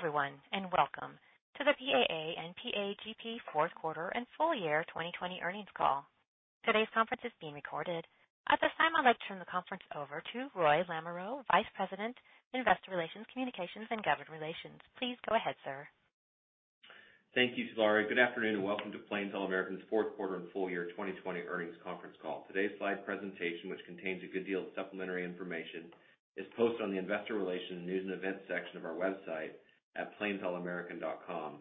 Good day everyone. Welcome to the PAA and PAGP fourth quarter and full year 2020 earnings call. Today's conference is being recorded. At this time, I'd like to turn the conference over to Roy Lamoreaux, Vice President, Investor Relations, Communications, and Government Relations. Please go ahead, sir. Thank you, Delora. Good afternoon and welcome to Plains All American's Fourth Quarter and Full Year 2020 Earnings Conference Call. Today's slide presentation, which contains a good deal of supplementary information, is posted on the investor relations news and events section of our website at plainsallamerican.com,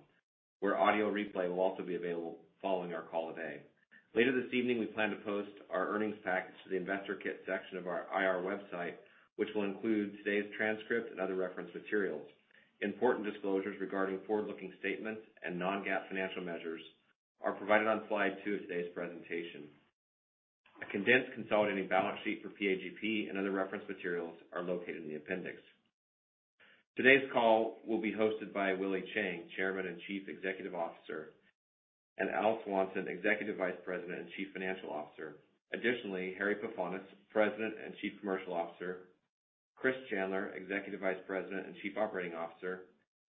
where audio replay will also be available following our call today. Later this evening, we plan to post our earnings package to the investor kit section of our IR website, which will include today's transcript and other reference materials. Important disclosures regarding forward-looking statements and non-GAAP financial measures are provided on slide 2 of today's presentation. A condensed consolidated balance sheet for PAGP and other reference materials are located in the appendix. Today's call will be hosted by Willie Chiang, Chairman and Chief Executive Officer, and Al Swanson, Executive Vice President and Chief Financial Officer. Harry Pefanis, President and Chief Commercial Officer, Chris Chandler, Executive Vice President and Chief Operating Officer,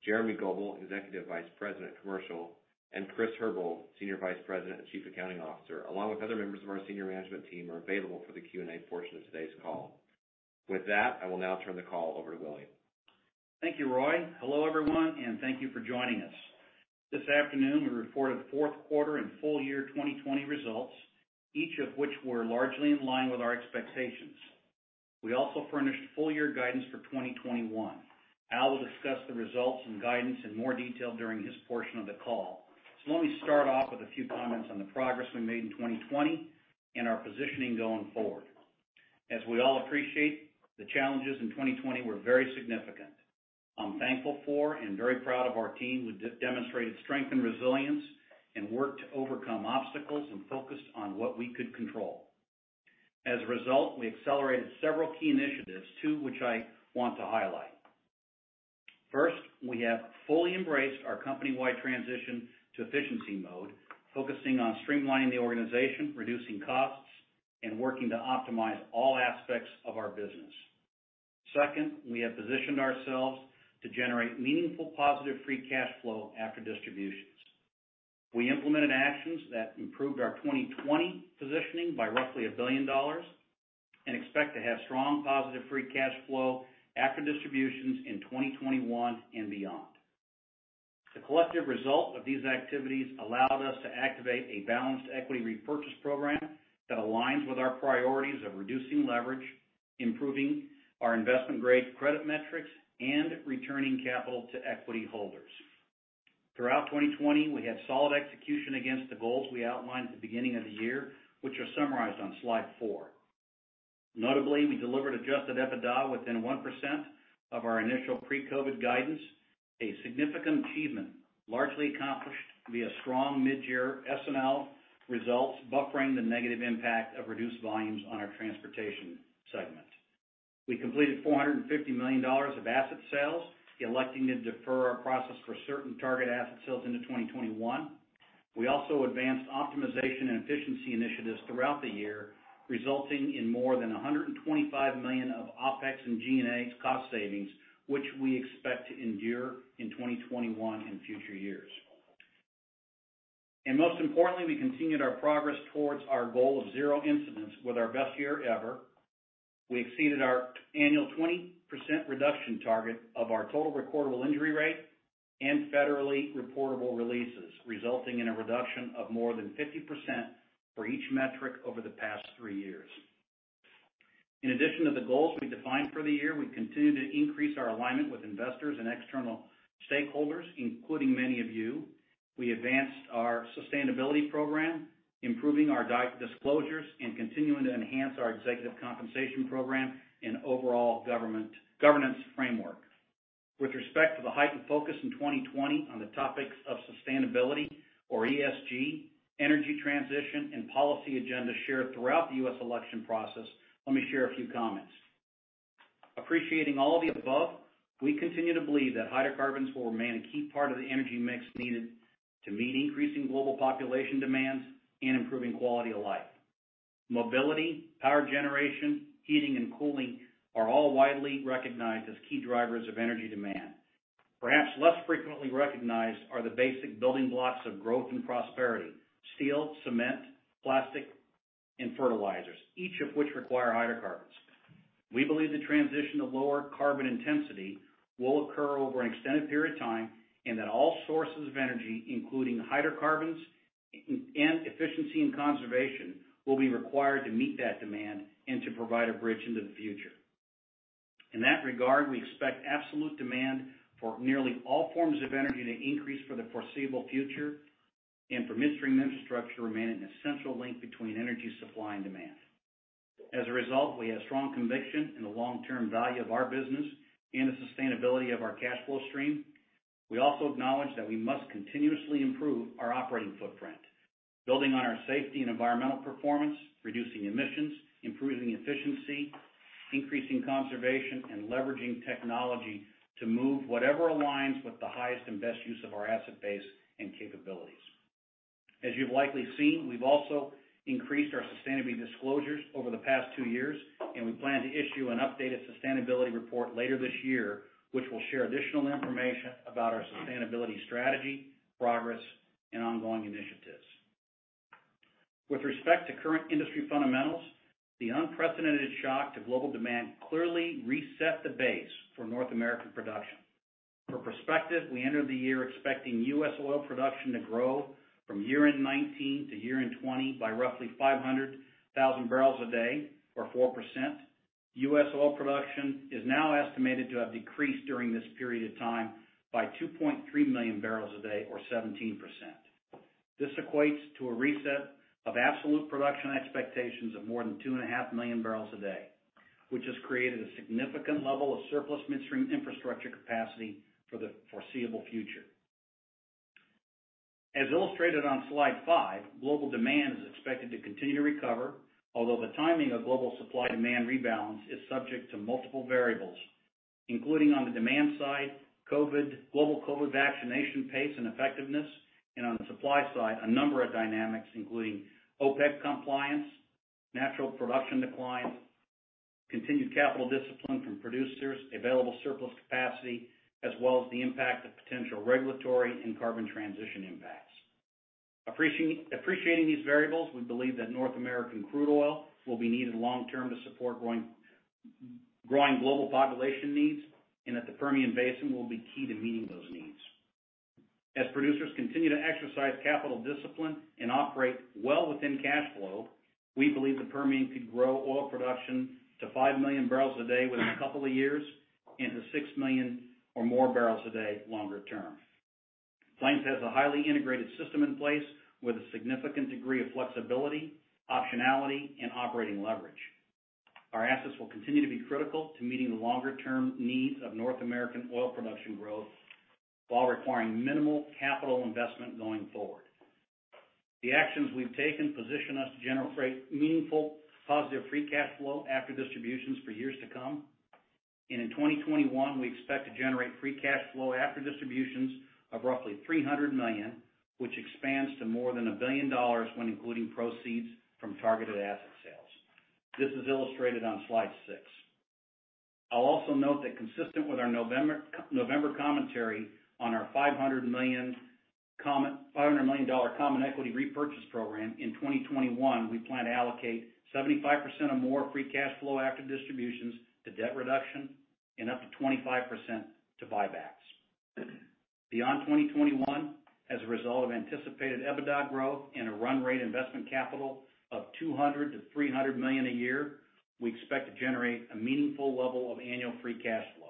Jeremy Goebel, Executive Vice President, Commercial, and Chris Herbold, Senior Vice President and Chief Accounting Officer, along with other members of our senior management team, are available for the Q&A portion of today's call. With that, I will now turn the call over to Willie. Thank you, Roy. Hello everyone, and thank you for joining us. This afternoon we reported fourth quarter and full year 2020 results, each of which were largely in line with our expectations. We also furnished full year guidance for 2021. Al will discuss the results and guidance in more detail during his portion of the call. Let me start off with a few comments on the progress we made in 2020 and our positioning going forward. As we all appreciate, the challenges in 2020 were very significant. I'm thankful for and very proud of our team who demonstrated strength and resilience and worked to overcome obstacles and focused on what we could control. As a result, we accelerated several key initiatives, two which I want to highlight. First, we have fully embraced our company-wide transition to efficiency mode, focusing on streamlining the organization, reducing costs, and working to optimize all aspects of our business. Second, we have positioned ourselves to generate meaningful, positive free cash flow after distributions. We implemented actions that improved our 2020 positioning by roughly $1 billion, and expect to have strong positive free cash flow after distributions in 2021 and beyond. The collective result of these activities allowed us to activate a balanced equity repurchase program that aligns with our priorities of reducing leverage, improving our investment-grade credit metrics, and returning capital to equity holders. Throughout 2020, we had solid execution against the goals we outlined at the beginning of the year, which are summarized on slide four. Notably, we delivered adjusted EBITDA within 1% of our initial pre-COVID guidance, a significant achievement largely accomplished via strong mid-year S&L results buffering the negative impact of reduced volumes on our transportation segment. We completed $450 million of asset sales, electing to defer our process for certain target asset sales into 2021. We also advanced optimization and efficiency initiatives throughout the year, resulting in more than $125 million of OpEx and G&A cost savings, which we expect to endure in 2021 and future years. Most importantly, we continued our progress towards our goal of zero incidents with our best year ever. We exceeded our annual 20% reduction target of our total recordable injury rate and federally reportable releases, resulting in a reduction of more than 50% for each metric over the past three years. In addition to the goals we defined for the year, we continued to increase our alignment with investors and external stakeholders, including many of you. We advanced our sustainability program, improving our disclosures and continuing to enhance our executive compensation program and overall governance framework. With respect to the heightened focus in 2020 on the topics of sustainability or ESG, energy transition and policy agenda shared throughout the U.S. election process, let me share a few comments. Appreciating all of the above, we continue to believe that hydrocarbons will remain a key part of the energy mix needed to meet increasing global population demands and improving quality of life. Mobility, power generation, heating and cooling are all widely recognized as key drivers of energy demand. Perhaps less frequently recognized are the basic building blocks of growth and prosperity, steel, cement, plastic, and fertilizers, each of which require hydrocarbons. We believe the transition to lower carbon intensity will occur over an extended period of time, and that all sources of energy, including hydrocarbons and efficiency and conservation, will be required to meet that demand and to provide a bridge into the future. In that regard, we expect absolute demand for nearly all forms of energy to increase for the foreseeable future and for midstream infrastructure to remain an essential link between energy supply and demand. As a result, we have strong conviction in the long-term value of our business and the sustainability of our cash flow stream. We also acknowledge that we must continuously improve our operating footprint. Building on our safety and environmental performance, reducing emissions, improving efficiency, increasing conservation, and leveraging technology to move whatever aligns with the highest and best use of our asset base and capabilities. As you've likely seen, we've also increased our sustainability disclosures over the past two years, and we plan to issue an updated sustainability report later this year, which will share additional information about our sustainability strategy, progress, and ongoing initiatives. With respect to current industry fundamentals, the unprecedented shock to global demand clearly reset the base for North American production. For perspective, we entered the year expecting U.S. oil production to grow from year-end 2019 to year-end 2020 by roughly 500,000 barrels a day, or 4%. U.S. oil production is now estimated to have decreased during this period of time by 2.3 million barrels a day, or 17%. This equates to a reset of absolute production expectations of more than 2.5 million barrels a day, which has created a significant level of surplus midstream infrastructure capacity for the foreseeable future. As illustrated on slide five, global demand is expected to continue to recover, although the timing of global supply-demand rebalance is subject to multiple variables, including on the demand side, global COVID vaccination pace and effectiveness, and on the supply side, a number of dynamics, including OPEC compliance, natural production declines, continued capital discipline from producers, available surplus capacity, as well as the impact of potential regulatory and carbon transition impacts. Appreciating these variables, we believe that North American crude oil will be needed long-term to support growing global population needs, and that the Permian Basin will be key to meeting those needs. As producers continue to exercise capital discipline and operate well within cash flow, we believe the Permian could grow oil production to 5 million barrels a day within a couple of years, and to 6 million or more barrels a day longer term. Plains has a highly integrated system in place with a significant degree of flexibility, optionality, and operating leverage. Our assets will continue to be critical to meeting the longer-term needs of North American oil production growth while requiring minimal capital investment going forward. The actions we've taken position us to generate meaningful, positive free cash flow after distributions for years to come. In 2021, we expect to generate free cash flow after distributions of roughly $300 million, which expands to more than $1 billion when including proceeds from targeted asset sales. This is illustrated on slide six. I'll also note that consistent with our November commentary on our $500 million common equity repurchase program in 2021, we plan to allocate 75% or more free cash flow after distributions to debt reduction and up to 25% to buybacks. Beyond 2021, as a result of anticipated EBITDA growth and a run rate investment capital of $200 million-$300 million a year, we expect to generate a meaningful level of annual free cash flow.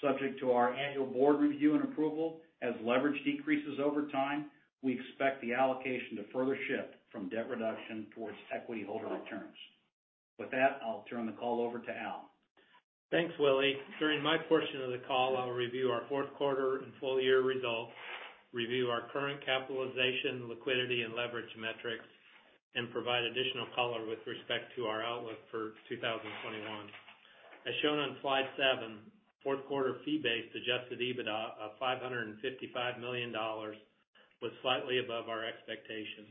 Subject to our annual board review and approval, as leverage decreases over time, we expect the allocation to further shift from debt reduction towards equity holder returns. With that, I'll turn the call over to Al. Thanks, Willie. During my portion of the call, I will review our fourth quarter and full-year results, review our current capitalization, liquidity, and leverage metrics, and provide additional color with respect to our outlook for 2021. As shown on slide seven, fourth quarter fee-based adjusted EBITDA of $555 million was slightly above our expectations.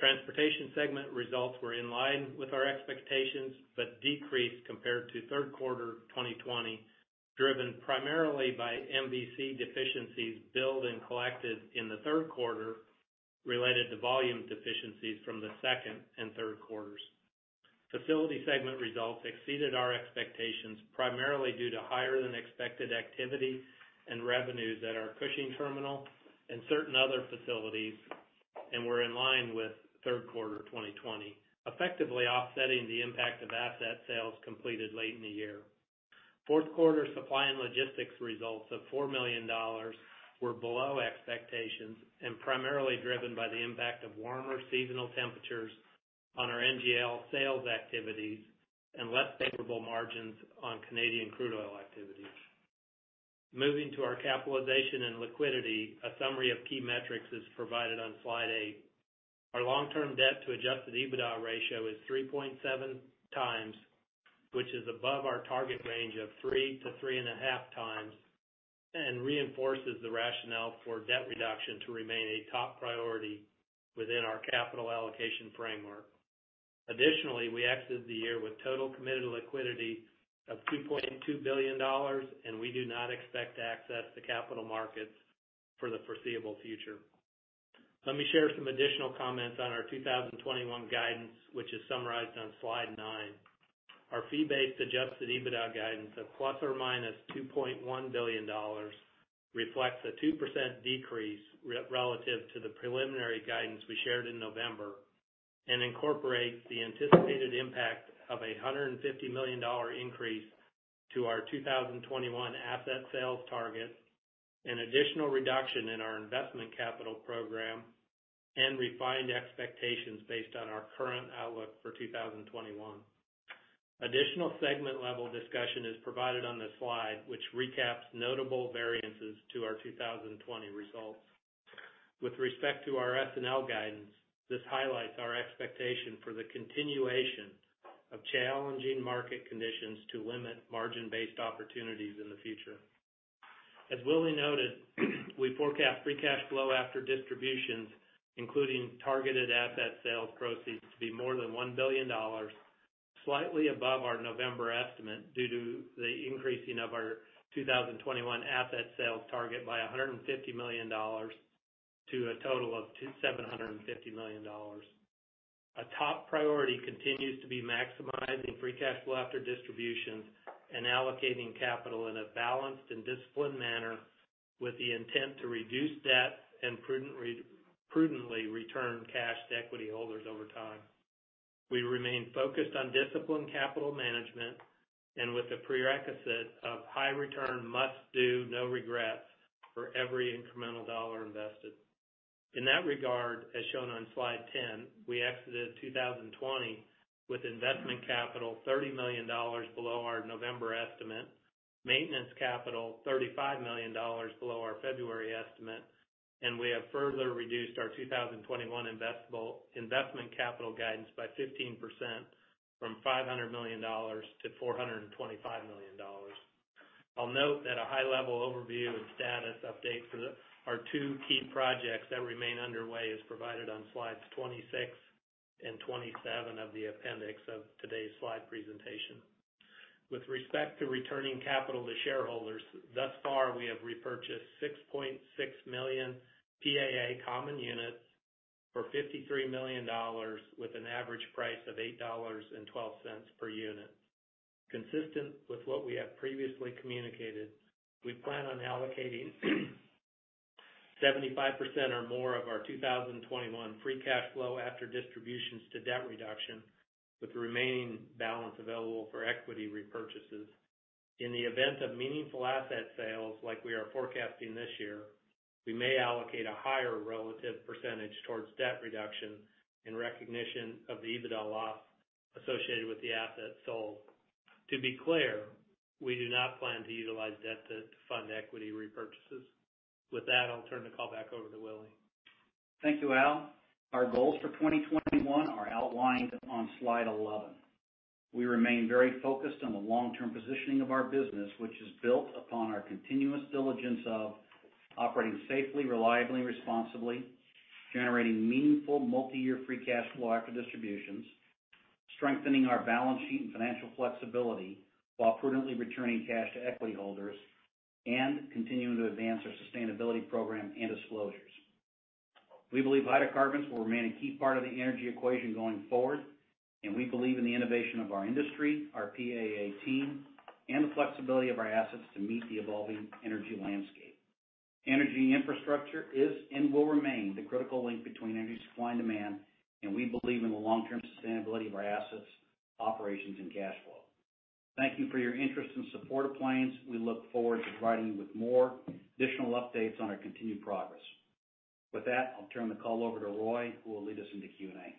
Transportation segment results were in line with our expectations, but decreased compared to third quarter 2020, driven primarily by MVC deficiencies billed and collected in the third quarter related to volume deficiencies from the second and third quarters. Facility segment results exceeded our expectations, primarily due to higher than expected activity and revenues at our Cushing terminal and certain other facilities, and were in line with third quarter 2020, effectively offsetting the impact of asset sales completed late in the year. Fourth quarter Supply and Logistics results of $4 million were below expectations and primarily driven by the impact of warmer seasonal temperatures on our NGL sales activities and less favorable margins on Canadian crude oil activities. Moving to our capitalization and liquidity, a summary of key metrics is provided on slide eight. Our long-term debt to adjusted EBITDA ratio is 3.7x, which is above our target range of 3x-3.5x, and reinforces the rationale for debt reduction to remain a top priority within our capital allocation framework. Additionally, we exited the year with total committed liquidity of $2.2 billion, and we do not expect to access the capital markets for the foreseeable future. Let me share some additional comments on our 2021 guidance, which is summarized on slide nine. Our fee-based adjusted EBITDA guidance of ±$2.1 billion reflects a 2% decrease relative to the preliminary guidance we shared in November and incorporates the anticipated impact of $150 million increase to our 2021 asset sales targets, an additional reduction in our investment capital program, and refined expectations based on our current outlook for 2021. Additional segment-level discussion is provided on this slide, which recaps notable variances to our 2020 results. With respect to our S&L. This highlights our expectation for the continuation of challenging market conditions to limit margin-based opportunities in the future. As Willie noted, we forecast free cash flow after distributions, including targeted asset sales proceeds, to be more than $1 billion, slightly above our November estimate due to the increasing of our 2021 asset sales target by $150 million to a total of $750 million. A top priority continues to be maximizing free cash flow after distributions and allocating capital in a balanced and disciplined manner with the intent to reduce debt and prudently return cash to equity holders over time. We remain focused on disciplined capital management and with the prerequisite of high return must do, no regrets for every incremental dollar invested. In that regard, as shown on slide 10, we exited 2020 with investment capital $30 million below our November estimate, maintenance capital $35 million below our February estimate, and we have further reduced our 2021 investment capital guidance by 15%, from $500 million to $425 million. I'll note that a high-level overview and status update for our two key projects that remain underway is provided on slides 26 and 27 of the appendix of today's slide presentation. With respect to returning capital to shareholders, thus far, we have repurchased 6.6 million PAA common units for $53 million with an average price of $8.12 per unit. Consistent with what we have previously communicated, we plan on allocating 75% or more of our 2021 free cash flow after distributions to debt reduction, with the remaining balance available for equity repurchases. In the event of meaningful asset sales like we are forecasting this year, we may allocate a higher relative percentage towards debt reduction in recognition of the EBITDA loss associated with the asset sold. To be clear, we do not plan to utilize debt to fund equity repurchases. With that, I'll turn the call back over to Willie. Thank you, Al. Our goals for 2021 are outlined on slide 11. We remain very focused on the long-term positioning of our business, which is built upon our continuous diligence of operating safely, reliably, and responsibly, generating meaningful multi-year free cash flow after distributions, strengthening our balance sheet and financial flexibility while prudently returning cash to equity holders, and continuing to advance our sustainability program and disclosures. We believe hydrocarbons will remain a key part of the energy equation going forward, and we believe in the innovation of our industry, our PAA team, and the flexibility of our assets to meet the evolving energy landscape. Energy infrastructure is and will remain the critical link between energy supply and demand, and we believe in the long-term sustainability of our assets, operations, and cash flow. Thank you for your interest and support of Plains. We look forward to providing you with more additional updates on our continued progress. With that, I'll turn the call over to Roy, who will lead us into Q&A.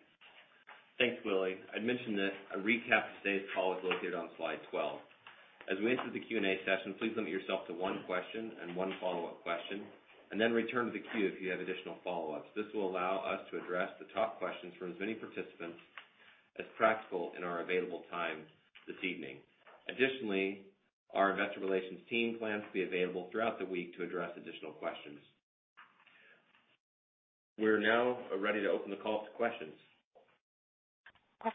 Thanks, Willie. I'd mention that a recap of today's call is located on slide 12. As we enter the Q&A session, please limit yourself to one question and one follow-up question, and then return to the queue if you have additional follow-ups. This will allow us to address the top questions from as many participants as practical in our available time this evening. Additionally, our investor relations team plans to be available throughout the week to address additional questions. We are now ready to open the call to questions. We'll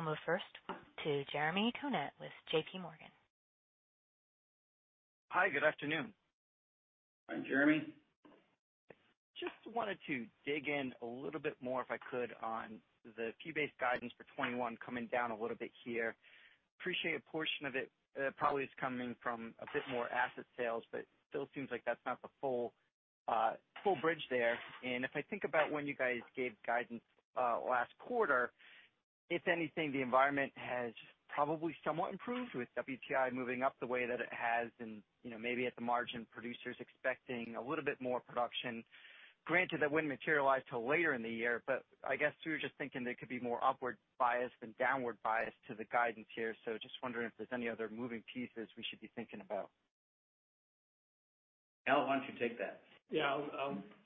move first to Jeremy Tonet with JPMorgan. Hi, good afternoon. Hi, Jeremy. Just wanted to dig in a little bit more, if I could, on the key-based guidance for 2021 coming down a little bit here. Appreciate a portion of it probably is coming from a bit more asset sales, but still seems like that's not the full bridge there. If I think about when you guys gave guidance last quarter, if anything, the environment has probably somewhat improved with WTI moving up the way that it has and maybe at the margin, producers expecting a little bit more production. Granted, that wouldn't materialize till later in the year, but I guess we were just thinking there could be more upward bias than downward bias to the guidance here. Just wondering if there's any other moving pieces we should be thinking about. Al, why don't you take that? Yeah.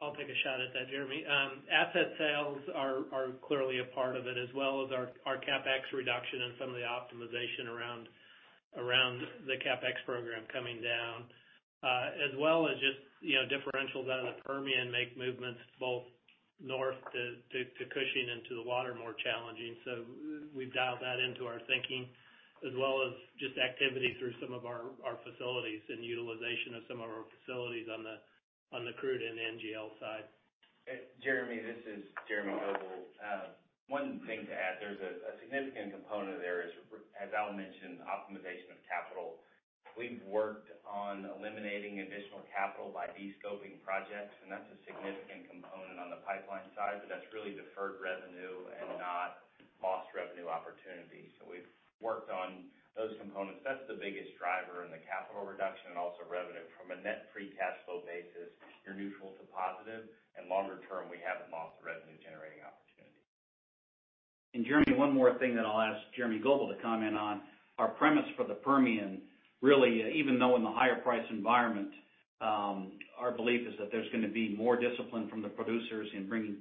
I'll take a shot at that, Jeremy. Asset sales are clearly a part of it, as well as our CapEx reduction and some of the optimization around the CapEx program coming down. As well as just differentials out of the Permian make movements both north to Cushing and to the water more challenging. We've dialed that into our thinking as well as just activity through some of our facilities and utilization of some of our facilities on the crude and NGL side. Jeremy, this is Jeremy Goebel. One thing to add, there's a significant component there is, as Al mentioned, optimization of CapEx. We've worked on eliminating additional capital by de-scoping projects, and that's a significant component on the pipeline side, but that's really deferred revenue and not lost revenue opportunity. We've worked on those components. That's the biggest driver in the capital reduction and also revenue. From a net free cash flow basis, you're neutral to positive, and longer term, we haven't lost the revenue-generating opportunity. Jeremy, one more thing that I'll ask Jeremy Goebel to comment on. Our premise for the Permian, really, even though in the higher price environment, our belief is that there's going to be more discipline from the producers in bringing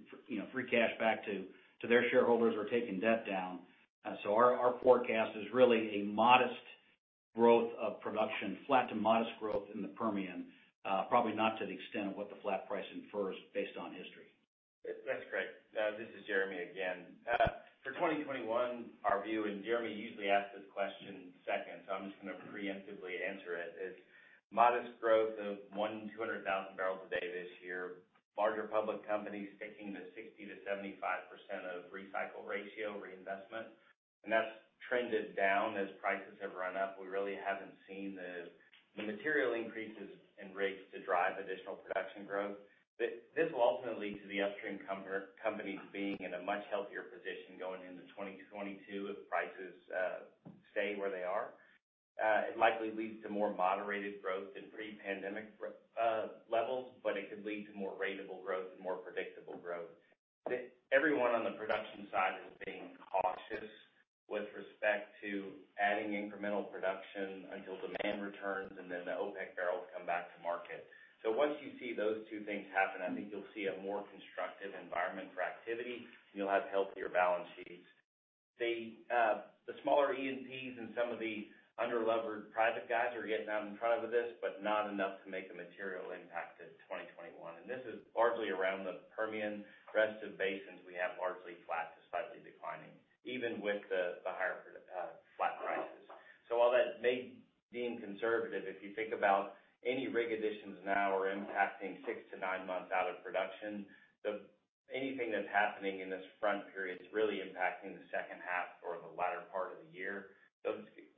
free cash back to their shareholders or taking debt down. Our forecast is really a modest growth of production, flat to modest growth in the Permian. Probably not to the extent of what the flat price infers based on history. That's great. This is Jeremy again. For 2021, our view, and Jeremy usually asks this question second, so I'm just going to preemptively answer it, is modest growth of 100,000, 200,000 bbl a day this year. Larger public companies sticking to 60%-75% of recycle ratio, reinvestment. That's trended down as prices have run up. We really haven't seen the material increases in rates to drive additional production growth. This will ultimately lead to the upstream companies being in a much healthier position going into 2022 if prices stay where they are. It likely leads to more moderated growth than pre-pandemic levels, but it could lead to more ratable growth and more predictable growth. Everyone on the production side is being cautious with respect to adding incremental production until demand returns, and then the OPEC barrels come back to market. Once you see those two things happen, I think you'll see a more constructive environment for activity, and you'll have healthier balance sheets. The smaller E&Ps and some of the under-levered private guys are getting out in front of this, but not enough to make a material impact to 2021. This is largely around the Permian. The rest of the basins we have largely flat to slightly declining, even with the higher flat prices. While that may mean conservative, if you think about any rig additions now are impacting six to nine months out of production. Anything that's happening in this front period is really impacting the second half or the latter part of the year.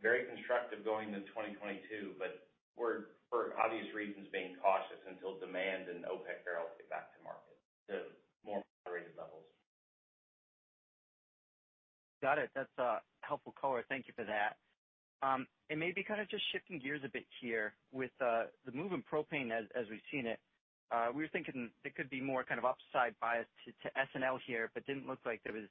Very constructive going into 2022, but we're, for obvious reasons, being cautious until demand and OPEC barrels get back to market to more moderated levels. Got it. That's a helpful color. Thank you for that. Maybe kind of just shifting gears a bit here with the move in propane as we've seen it. We were thinking there could be more kind of upside bias to S&L here, but didn't look like there was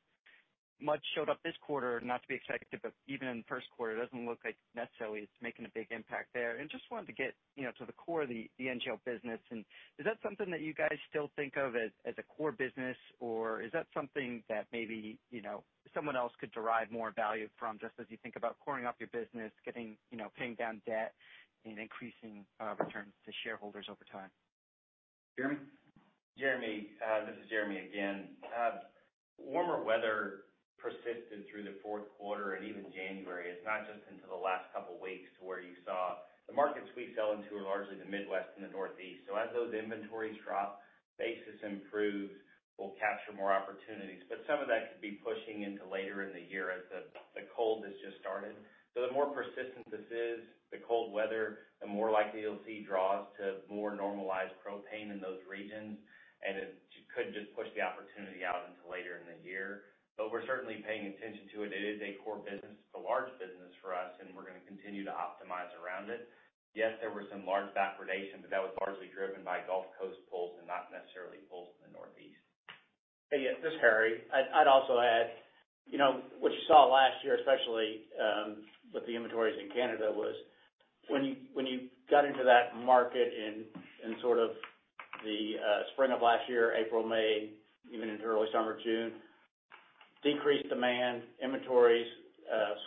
much showed up this quarter. Not to be executive, but even in the first quarter, it doesn't look like necessarily it's making a big impact there. Just wanted to get to the core of the NGL business, and is that something that you guys still think of as a core business, or is that something that maybe someone else could derive more value from just as you think about coring up your business, paying down debt, and increasing returns to shareholders over time? Jeremy? Jeremy, this is Jeremy again. Warmer weather persisted through the fourth quarter and even January. It's not just until the last couple of weeks to where you saw the markets we sell into are largely the Midwest and the Northeast. As those inventories drop, basis improves. We'll capture more opportunities. Some of that could be pushing into later in the year as the cold has just started. The more persistent this is, the cold weather, the more likely you'll see draws to more normalized propane in those regions. It could just push the opportunity out until later in the year. We're certainly paying attention to it. It is a core business. It's a large business for us, and we're going to continue to optimize around it. Yes, there were some large backwardation, but that was largely driven by Gulf Coast pulls and not necessarily pulls in the Northeast. Hey, yeah, this is Harry. I'd also add, what you saw last year, especially with the inventories in Canada, was when you got into that market in sort of the spring of last year, April, May, even into early summer, June, decreased demand, inventories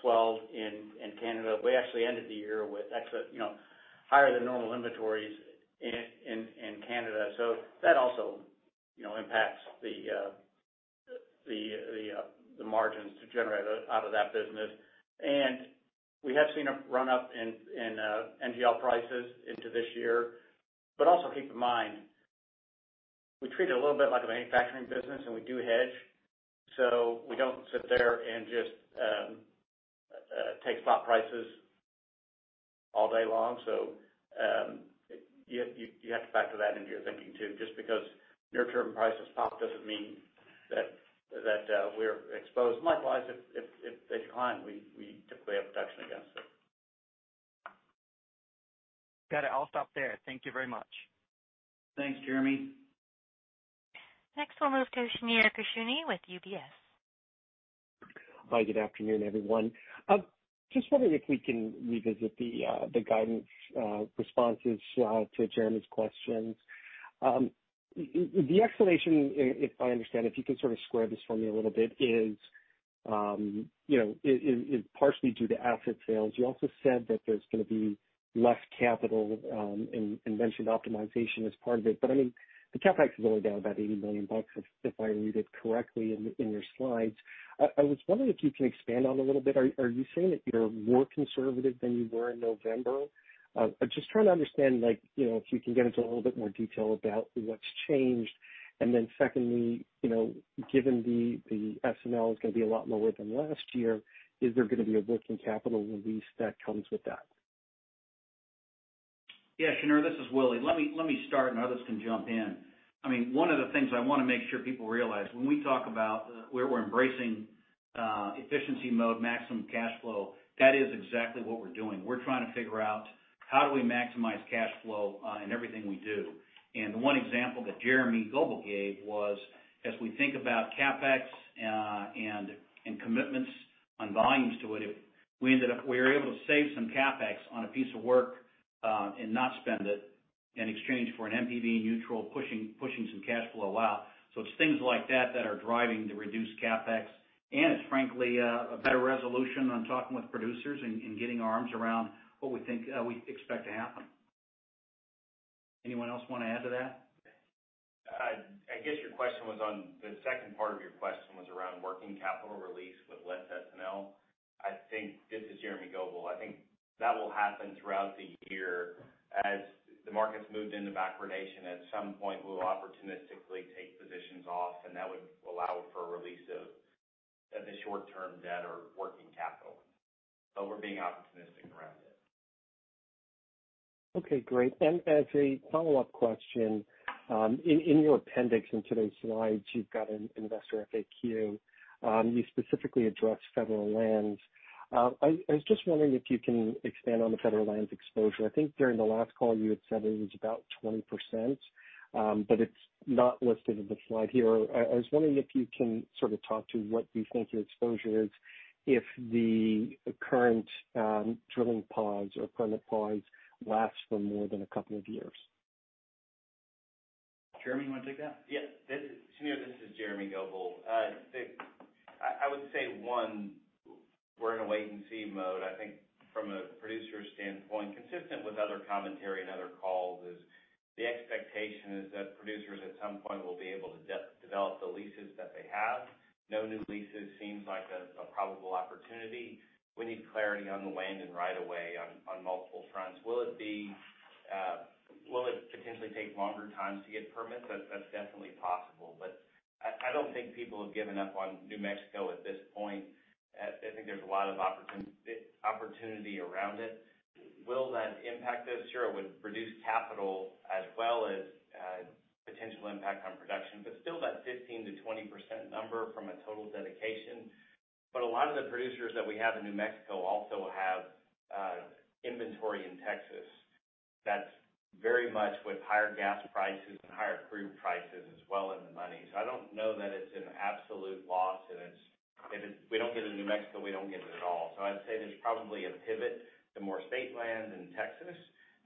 swelled in Canada. We actually ended the year with higher than normal inventories in Canada. That also impacts the margins to generate out of that business. We have seen a run-up in NGL prices into this year. Also keep in mind, we treat it a little bit like a manufacturing business, and we do hedge. We don't sit there and just take spot prices all day long. You have to factor that into your thinking, too. Just because near-term prices pop doesn't mean that we're exposed. Likewise, if they decline, we typically have protection against it. Got it. I'll stop there. Thank you very much. Thanks, Jeremy. Next, we'll move to Shneur Gershuni with UBS. Hi, good afternoon, everyone. Just wondering if we can revisit the guidance responses to Jeremy's questions. The explanation, if I understand, if you can sort of square this for me a little bit, is partially due to asset sales. You also said that there's going to be less capital and mentioned optimization as part of it. The CapEx is only down about $80 million if I read it correctly in your slides. I was wondering if you can expand on it a little bit. Are you saying that you're more conservative than you were in November? I'm just trying to understand if you can get into a little bit more detail about what's changed. Secondly, given the S&L is going to be a lot lower than last year, is there going to be a working capital release that comes with that? Yeah, Shneur, this is Willie. Let me start, and others can jump in. One of the things I want to make sure people realize, when we talk about where we're embracing efficiency mode maximum cash flow, that is exactly what we're doing. We're trying to figure out how do we maximize cash flow in everything we do. The one example that Jeremy Goebel gave was as we think about CapEx and commitments on volumes to it, if we were able to save some CapEx on a piece of work and not spend it in exchange for an NPV neutral, pushing some cash flow out. It's things like that that are driving the reduced CapEx, and it's frankly a better resolution on talking with producers and getting our arms around what we expect to happen. Anyone else want to add to that? I guess the second part of your question was around working capital release with less S&L. This is Jeremy Goebel. I think that will happen throughout the year. As the markets moved into backwardation, at some point, we will opportunistically take positions off, and that would allow for a release of the short-term debt or working capital. We're being opportunistic around it. Okay, great. As a follow-up question, in your appendix in today's slides, you've got an investor FAQ. You specifically address federal lands. I was just wondering if you can expand on the federal lands exposure. I think during the last call, you had said it was about 20%, but it's not listed in the slide here. I was wondering if you can sort of talk to what you think your exposure is if the current drilling pause or permit pause lasts for more than a couple of years. Jeremy, you want to take that? Yeah. Shneur, this is Jeremy Goebel. I would say, one, we're in a wait-and-see mode. I think from a producer standpoint, consistent with other commentary and other calls, is the expectation is that producers at some point will be able to develop the leases that they have. No-new leases seems like a probable opportunity. We need clarity on the land and right of way on multiple fronts. Will it potentially take longer times to get permits? That's definitely possible, but I don't think people have given up on New Mexico at this point. I think there's a lot of opportunity around it. Will that impact us? Sure, it would reduce capital as well as potential impact on production, but still that 15%-20% number from a total dedication. A lot of the producers that we have in New Mexico also have inventory in Texas that's very much with higher gas prices and higher crude prices as well in the money. I don't know that it's an absolute loss, and if we don't get it in New Mexico, we don't get it at all. I'd say there's probably a pivot to more state land in Texas,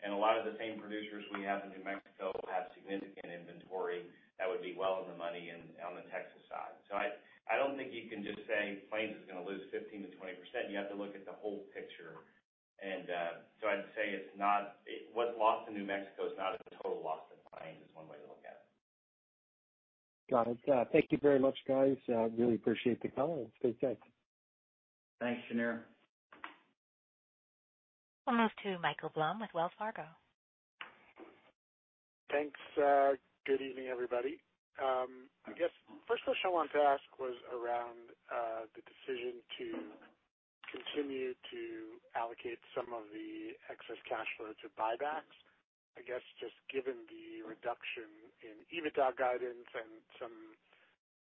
and a lot of the same producers we have in New Mexico have significant inventory that would be well in the money on the Texas side. I don't think you can just say Plains is going to lose 15%-20%. You have to look at the whole picture. I'd say what's lost in New Mexico is not a total loss to Plains, is one way to look at it. Got it. Thank you very much, guys. Really appreciate the comments. Stay safe. Thanks, Shneur. We'll move to Michael Blum with Wells Fargo. Thanks. Good evening, everybody. I guess first question I wanted to ask was around the decision to continue to allocate some of the excess cash flow to buybacks. I guess just given the reduction in EBITDA guidance and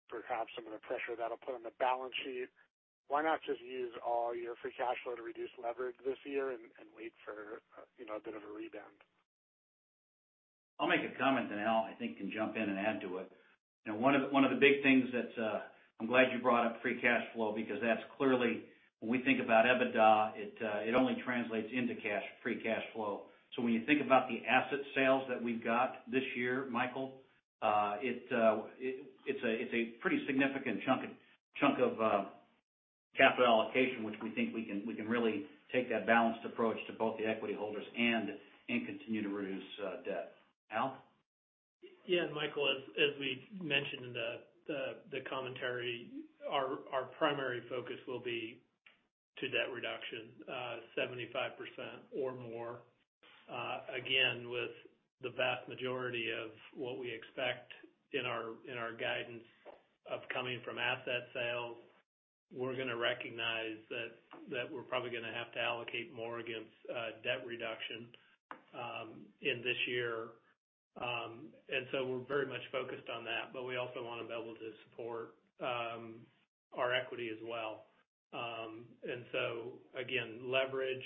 perhaps some of the pressure that'll put on the balance sheet, why not just use all your free cash flow to reduce leverage this year and wait for a bit of a rebound? I'll make a comment, then Al, I think, can jump in and add to it. One of the big things that I'm glad you brought up free cash flow because that's clearly when we think about EBITDA, it only translates into free cash flow. When you think about the asset sales that we've got this year, Michael, it's a pretty significant chunk of capital allocation, which we think we can really take that balanced approach to both the equity holders and continue to reduce debt. Al? Yeah. Michael, as we mentioned in the commentary, our primary focus will be to debt reduction, 75% or more. Again, with the vast majority of what we expect in our guidance of coming from asset sales, we're going to recognize that we're probably going to have to allocate more against debt reduction in this year. We're very much focused on that, but we also want to be able to support our equity as well. Again, leverage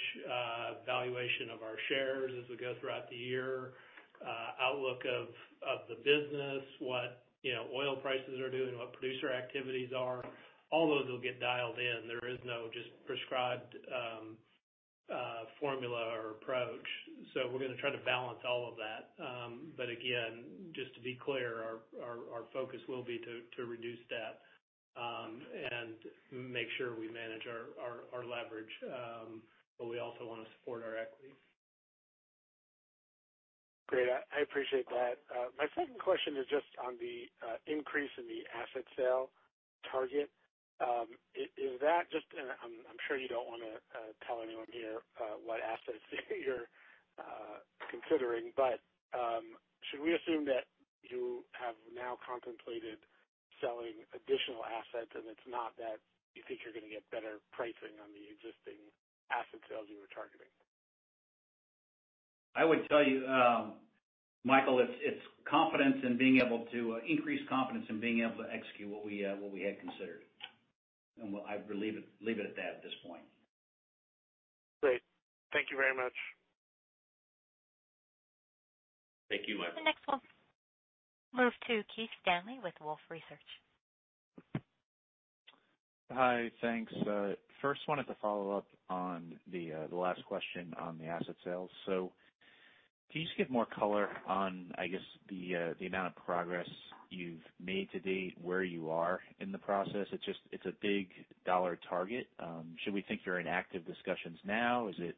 valuation of our shares as we go throughout the year, outlook of the business, what oil prices are doing, what producer activities are, all those will get dialed in. There is no just prescribed formula or approach. We're going to try to balance all of that. Again, just to be clear, our focus will be to reduce debt and make sure we manage our leverage. We also want to support our equity. Great. I appreciate that. My second question is just on the increase in the asset sale target. I'm sure you don't want to tell anyone here what assets you're considering, but should we assume that you have now contemplated selling additional assets, and it's not that you think you're going to get better pricing on the existing asset sales you were targeting? I would tell you, Michael, it's increased confidence in being able to execute what we had considered, and I'd leave it at that at this point. Great. Thank you very much. Thank you, Michael. The next one. Move to Keith Stanley with Wolfe Research. Hi, thanks. First wanted to follow up on the last question on the asset sales. Can you just give more color on, I guess, the amount of progress you've made to date, where you are in the process? It's a big dollar target. Should we think you're in active discussions now? Is it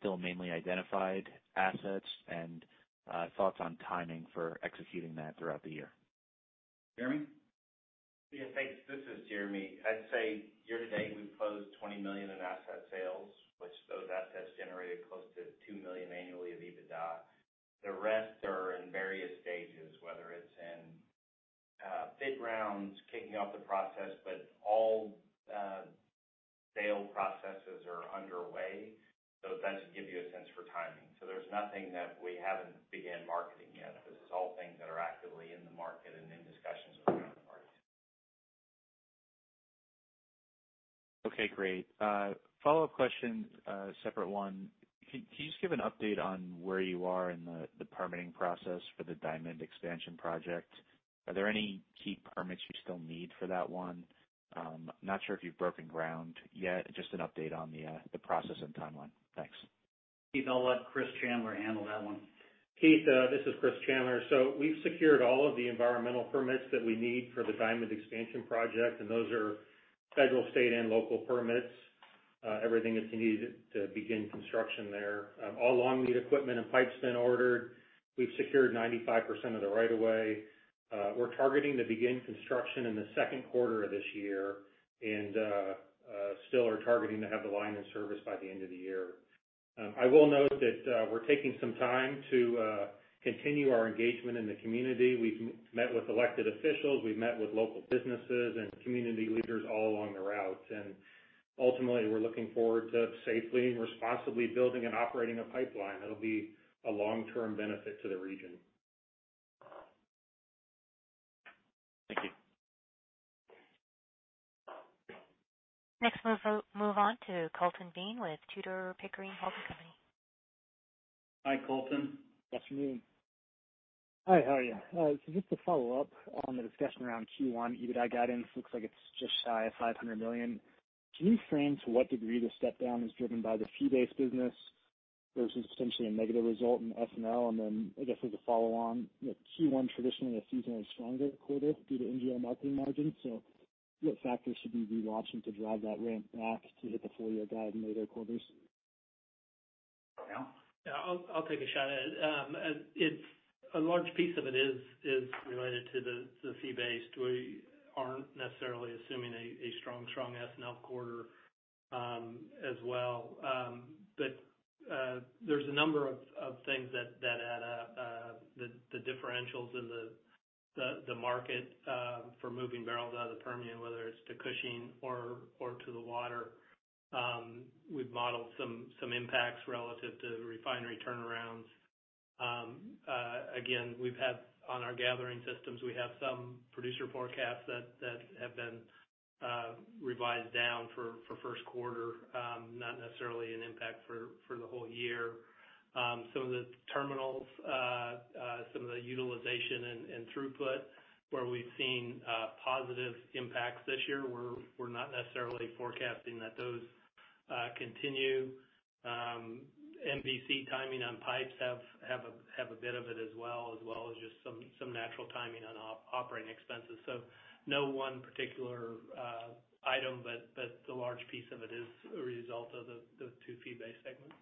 still mainly identified assets, and thoughts on timing for executing that throughout the year? Jeremy? Yeah. Thanks. This is Jeremy. I'd say year-to-date, we've closed $20 million in asset sales, which those assets generated close to $2 million annually of EBITDA. The rest are in various stages, whether it's in bid rounds, kicking off the process. All sale processes are underway. That should give you a sense for timing. There's nothing that we haven't began marketing yet. This is all things that are actively in the market and in discussions with other parties. Okay, great. Follow-up question, a separate one. Can you just give an update on where you are in the permitting process for the Diamond expansion project? Are there any key permits you still need for that one? Not sure if you've broken ground yet. Just an update on the process and timeline. Thanks. Keith, I'll let Chris Chandler handle that one. Keith, this is Chris Chandler. We've secured all of the environmental permits that we need for the Diamond expansion project, and those are federal, state, and local permits. Everything that's needed to begin construction there. All long-lead equipment and pipe's been ordered. We've secured 95% of the right of way. We're targeting to begin construction in the second quarter of this year, and still are targeting to have the line in service by the end of the year. I will note that we're taking some time to continue our engagement in the community. We've met with elected officials, we've met with local businesses and community leaders all along the route, and ultimately, we're looking forward to safely and responsibly building and operating a pipeline that'll be a long-term benefit to the region. Thank you. Next, move on to Colton Bean with Tudor, Pickering, Holt & Co. Hi, Colton. Hi, how are you? Just to follow up on the discussion around Q1 EBITDA guidance, looks like it's just shy of $500 million. Can you frame to what degree the step-down is driven by the fee-based business versus essentially a negative result in S&L? I guess as a follow on, Q1 traditionally a seasonally stronger quarter due to NGL marketing margins. What factors should we be watching to drive that ramp back to hit the full-year guide in later quarters? Al? Yeah, I'll take a shot at it. A large piece of it is related to the fee-based. We aren't necessarily assuming a strong S&L quarter as well. There's a number of things that add up. The differentials in the market for moving barrels out of the Permian, whether it's to Cushing or to the water. We've modeled some impacts relative to refinery turnarounds. Again, on our gathering systems, we have some producer forecasts that have been revised down for first quarter. Not necessarily an impact for the whole year. Some of the terminals, some of the utilization and throughput where we've seen positive impacts this year, we're not necessarily forecasting that those continue. MVC timing on pipes have a bit of it as well, as well as just some natural timing on operating expenses. No one particular item, but the large piece of it is a result of the two fee-based segments.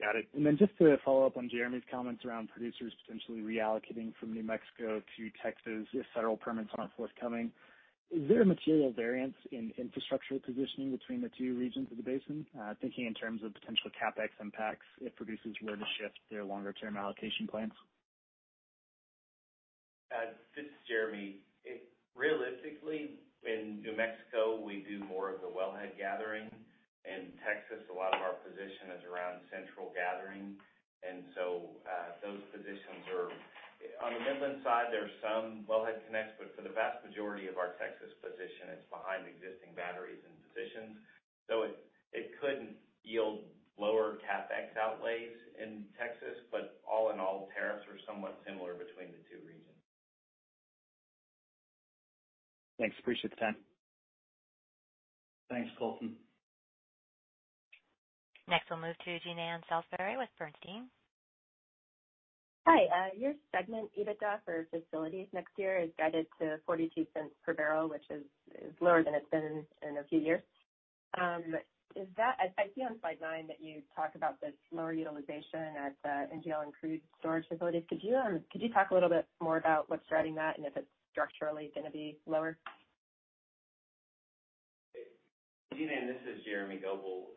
Got it. Just to follow up on Jeremy's comments around producers potentially reallocating from New Mexico to Texas if federal permits aren't forthcoming. Is there a material variance in infrastructure positioning between the two regions of the basin? Thinking in terms of potential CapEx impacts if producers were to shift their longer-term allocation plans. This is Jeremy. Realistically, in New Mexico, we do more of the wellhead gathering. In Texas, a lot of our position is around central gathering. On the Midland side, there's some wellhead connects, but for the vast majority of our Texas position, it's behind existing batteries and positions. It could yield lower CapEx outlays in Texas, but all in all, tariffs are somewhat similar between the two regions. Thanks. Appreciate the time. Thanks, Colton. Next, we'll move to Jean Ann Salisbury with Bernstein. Hi. Your segment EBITDA for facilities next year is guided to $0.42 per barrel, which is lower than it's been in a few years. I see on slide nine that you talk about the lower utilization at the NGL and crude storage facilities. Could you talk a little bit more about what's driving that and if it's structurally going to be lower? Jean Ann, this is Jeremy Goebel.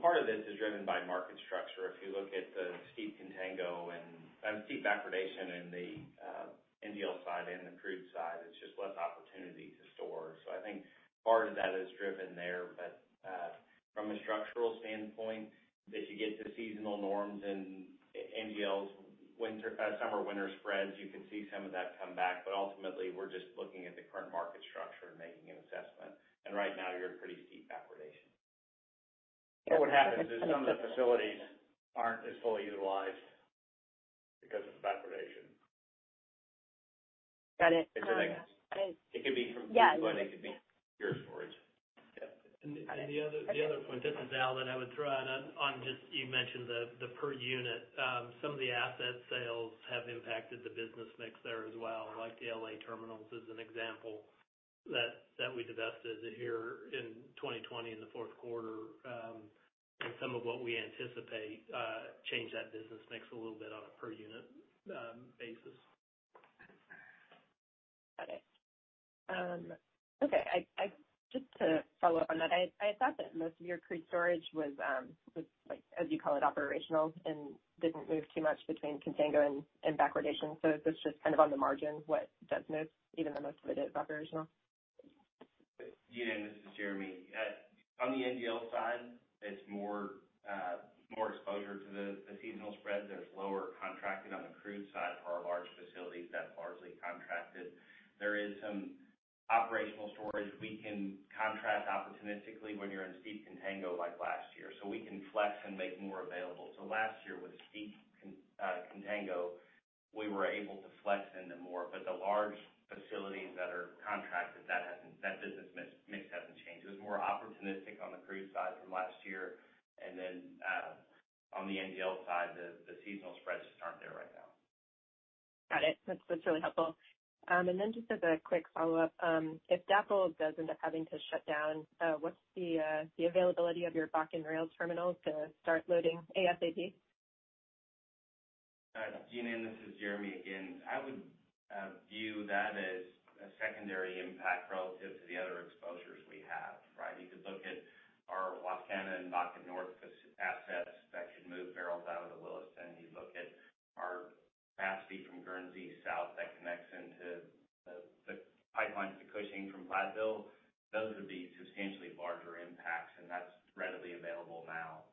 Part of this is driven by market structure. If you look at the steep contango and steep backwardation in the NGL side and the crude side, it's just less opportunity to store. I think part of that is driven there. From a structural standpoint, as you get to seasonal norms in NGL's summer-winter spreads, you can see some of that come back, but ultimately, we're just looking at the current market structure and making an assessment. Right now you're in pretty steep backwardation. What happens is some of the facilities aren't as fully utilized because of backwardation. Got it. It could be- Yeah. ...anyone. It could be your storage. Yeah. The other point, this is Al, that I would throw on, you mentioned the per unit. Some of the asset sales have impacted the business mix there as well, like the L.A. terminals as an example, that we divested here in 2020 in the fourth quarter. Some of what we anticipate change that business mix a little bit on a per unit basis. Got it. Okay. Just to follow up on that, I thought that most of your crude storage was, as you call it, operational, and didn't move too much between contango and backwardation. Is this just kind of on the margin, what does move, even though most of it is operational? Jean Ann, this is Jeremy. On the NGL side, it's more exposure to the seasonal spread. There's lower contracted on the crude side for our large facilities that largely contracted. There is some operational storage. We can contract opportunistically when you're in steep contango like last year, so we can flex and make more available. Last year with steep contango, we were able to flex into more. The large facilities that are contracted, that business mix hasn't changed. It was more opportunistic on the crude side from last year. On the NGL side, the seasonal spreads just aren't there right now. Got it. That's really helpful. Just as a quick follow-up, if DAPL does end up having to shut down, what's the availability of your Bakken rail terminals to start loading ASAP? Jean Ann, this is Jeremy again. I would view that as a secondary impact relative to the other exposures we have, right? You could look at our Wascana and Bakken North assets that could move barrels out of the Williston. You look at our capacity from Guernsey South that connects into the pipelines to Cushing from Platteville. Those would be substantially larger impacts, that's readily available now.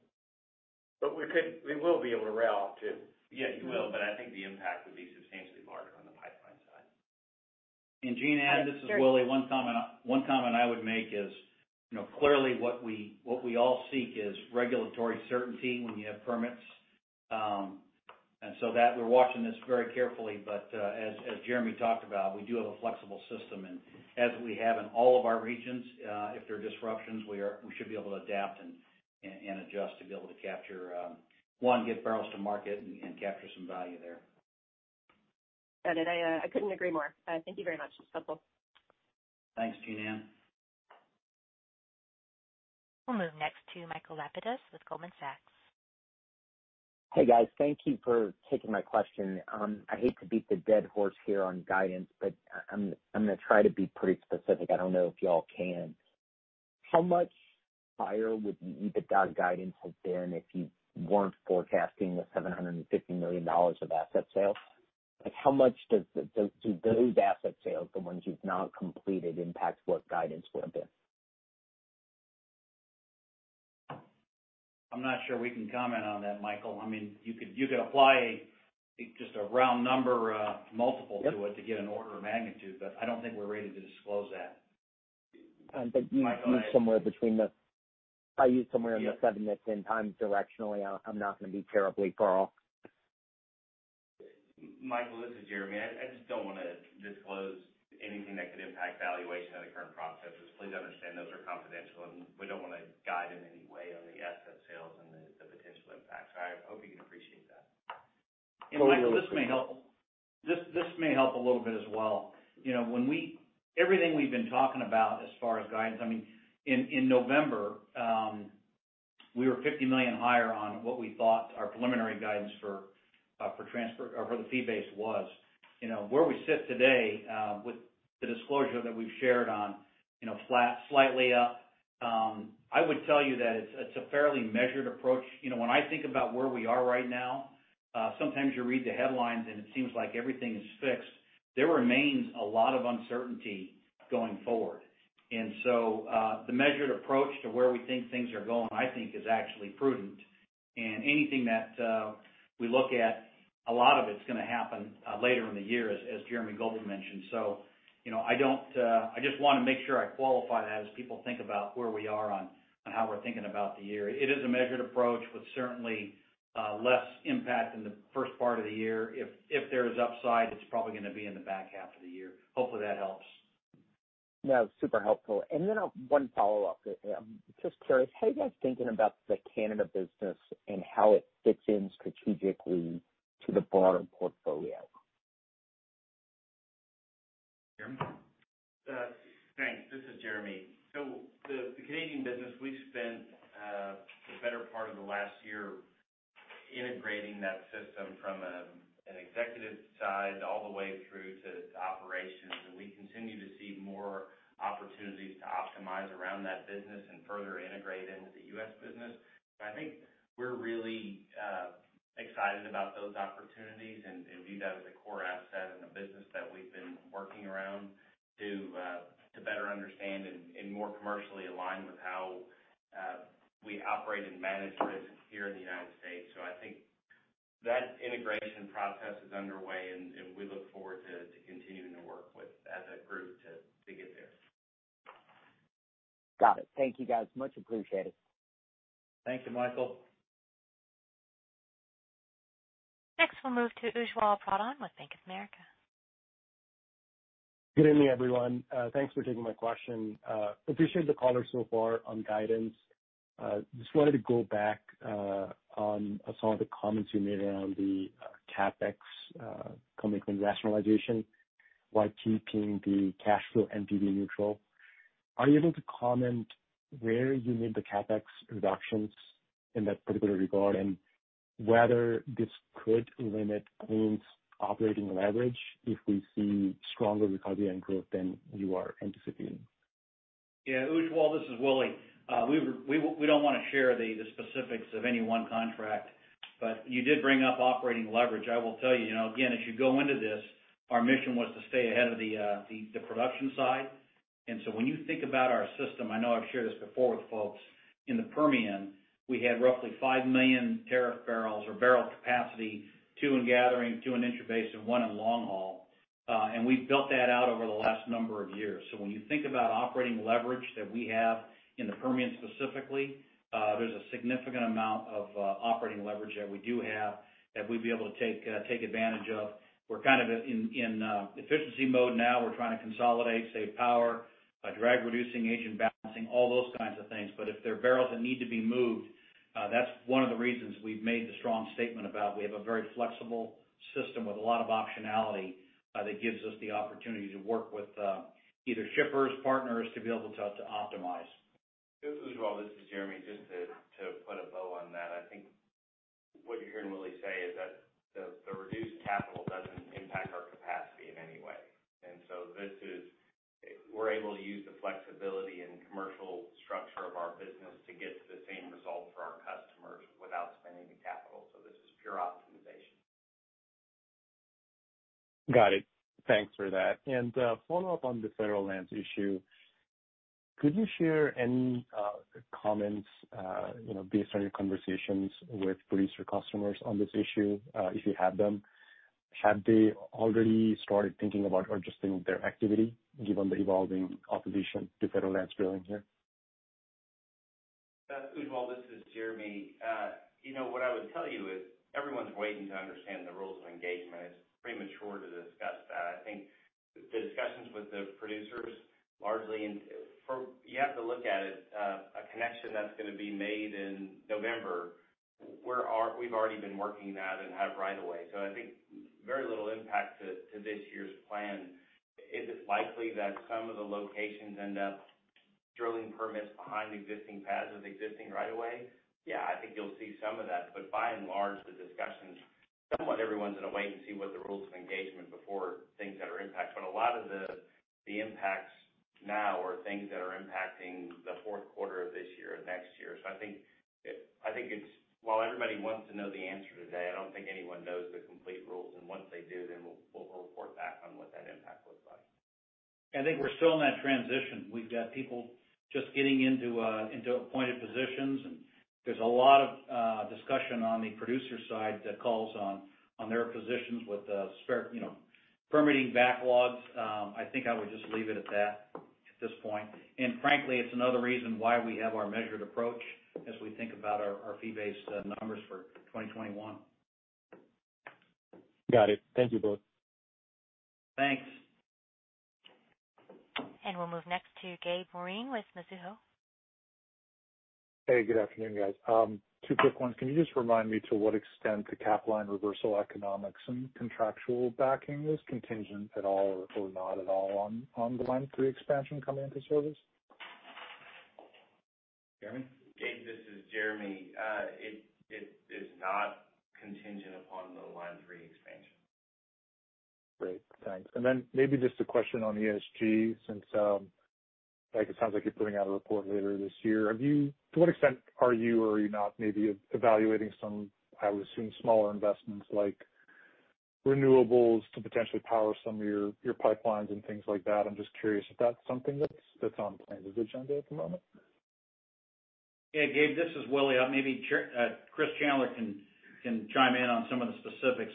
We will be able to rail too. Yeah, you will, but I think the impact would be substantially larger on the pipeline side. Jean Ann, this is Willie. One comment I would make is, clearly what we all seek is regulatory certainty when you have permits. We're watching this very carefully. As Jeremy talked about, we do have a flexible system, and as we have in all of our regions, if there are disruptions, we should be able to adapt and adjust to be able to, one, get barrels to market and capture some value there. Got it. I couldn't agree more. Thank you very much. That's helpful. Thanks, Jean Ann. We'll move next to Michael Lapides with Goldman Sachs. Hey, guys. Thank you for taking my question. I hate to beat the dead horse here on guidance, but I'm going to try to be pretty specific. I don't know if you all can. How much higher would the EBITDA guidance have been if you weren't forecasting the $750 million of asset sales? How much do those asset sales, the ones you've now completed, impact what guidance would have been? I'm not sure we can comment on that, Michael. You could apply just a round number multiple to it to get an order of magnitude. I don't think we're ready to disclose that. But you think somewhere between the- Michael, I- If I use somewhere in the $710 million directionally, I'm not going to be terribly far off. Michael, this is Jeremy. I just don't want to disclose anything that could impact valuation of the current processes. Please understand, those are confidential, and we don't want to guide in any way on the asset sales and the potential impact. I hope you can appreciate that. Michael, this may help a little bit as well. Everything we've been talking about as far as guidance, in November, we were $50 million higher on what we thought our preliminary guidance for the fee base was. Where we sit today with the disclosure that we've shared on slightly up, I would tell you that it's a fairly measured approach. When I think about where we are right now, sometimes you read the headlines, and it seems like everything is fixed. There remains a lot of uncertainty going forward. The measured approach to where we think things are going, I think, is actually prudent. Anything that we look at, a lot of it's going to happen later in the year, as Jeremy Goebel mentioned. I just want to make sure I qualify that as people think about where we are on how we're thinking about the year. It is a measured approach with certainly less impact in the first part of the year. If there is upside, it's probably going to be in the back half of the year. Hopefully, that helps. No, super helpful. One follow-up. I'm just curious, how are you guys thinking about the Canada business and how it fits in strategically to the broader portfolio? Jeremy? Thanks. This is Jeremy. The Canadian business, we've spent the better part of the last year integrating that system from an executive side all the way through to operations, and we continue to see more opportunities to optimize around that business and further integrate into the U.S. business. I think we're really excited about those opportunities and view that as a core asset in the business that we've been working around to better understand and more commercially align with how we operate and manage risks here in the United States. I think that integration process is underway, and we look forward to continuing to work with, as a group, to get there. Got it. Thank you, guys. Much appreciated. Thank you, Michael. Next, we'll move to Ujjwal Pradhan with Bank of America. Good evening, everyone. Thanks for taking my question. Appreciate the color so far on guidance. Wanted to go back on some of the comments you made around the CapEx coming from rationalization while keeping the cash flow NPV neutral. Are you able to comment where you made the CapEx reductions in that particular regard, and whether this could limit operating leverage if we see stronger recovery and growth than you are anticipating? Yeah, Ujjwal, this is Willie. We don't want to share the specifics of any one contract, but you did bring up operating leverage. I will tell you, again, as you go into this, our mission was to stay ahead of the production side. When you think about our system, I know I've shared this before with folks, in the Permian, we had roughly 5 million tariff barrels or barrel capacity, two in gathering, two in intrabasin, and one in long haul. We've built that out over the last number of years. When you think about operating leverage that we have in the Permian specifically, there's a significant amount of operating leverage that we do have that we'd be able to take advantage of. We're kind of in efficiency mode now. We're trying to consolidate, save power, drag reducing agent balancing, all those kinds of things. If there are barrels that need to be moved, that's one of the reasons we've made the strong statement about we have a very flexible system with a lot of optionality that gives us the opportunity to work with either shippers, partners, to be able to optimize. Ujjwal. This is Jeremy. Just to put a bow on that, I think what you're hearing Willie say is that the reduced capital doesn't impact our capacity in any way. We're able to use the flexibility and commercial structure of our business to get to the same result for our customers without spending the capital. This is pure optimization. Got it. Thanks for that. A follow-up on the federal lands issue. Could you share any comments based on your conversations with producer customers on this issue, if you had them? Had they already started thinking about adjusting their activity given the evolving opposition to federal lands drilling here? Ujjwal, this is Jeremy. What I would tell you is everyone's waiting to understand the rules of engagement. It's premature to discuss that. I think the discussions with the producers, largely, you have to look at it, a connection that's going to be made in November. We've already been working that and have right of way. I think very little impact to this year's plan. Is it likely that some of the locations end up drilling permits behind existing pads of existing right of way? Yeah, I think you'll see some of that. By and large, the discussions, somewhat everyone's going to wait and see what the rules of engagement before things that are impact. A lot of the impacts now are things that are impacting the fourth quarter of this year or next year. I think while everybody wants to know the answer today, I don't think anyone knows the complete rules, and once they do, then we'll report back on what that impact looks like. I think we're still in that transition. We've got people just getting into appointed positions, and there's a lot of discussion on the producer side that calls on their positions with permitting backlogs. I think I would just leave it at that at this point. Frankly, it's another reason why we have our measured approach as we think about our fee-based numbers for 2021. Got it. Thank you both. Thanks. We'll move next to Gabe Moreen with Mizuho. Hey, good afternoon, guys. Two quick ones. Can you just remind me to what extent the Capline reversal economics and contractual backing is contingent at all or not at all on the Line 3 expansion coming into service? Jeremy? Gabe, this is Jeremy. It is not contingent upon the Line 3 expansion. Great. Thanks. Maybe just a question on ESG, since it sounds like you're putting out a report later this year. To what extent are you or are you not maybe evaluating some, I would assume, smaller investments like renewables to potentially power some of your pipelines and things like that? I'm just curious if that's something that's on Plains' agenda at the moment. Yeah, Gabe, this is Willie. Maybe Chris Chandler can chime in on some of the specifics.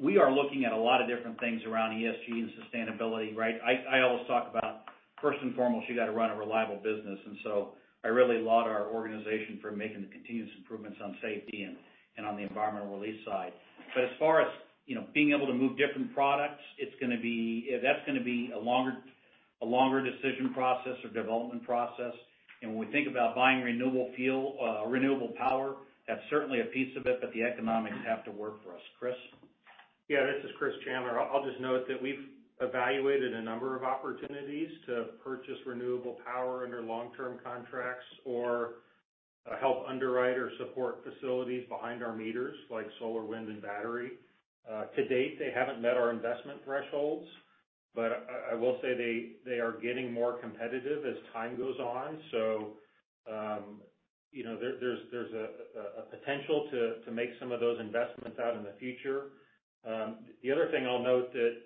We are looking at a lot of different things around ESG and sustainability, right? I always talk about. First and foremost, you got to run a reliable business. I really laud our organization for making the continuous improvements on safety and on the environmental release side. As far as being able to move different products, that's going to be a longer decision process or development process. When we think about buying renewable power, that's certainly a piece of it, but the economics have to work for us. Chris? Yeah, this is Chris Chandler. I'll just note that we've evaluated a number of opportunities to purchase renewable power under long-term contracts or help underwrite or support facilities behind our meters, like solar, wind, and battery. To date, they haven't met our investment thresholds, I will say they are getting more competitive as time goes on. There's a potential to make some of those investments out in the future. The other thing I'll note that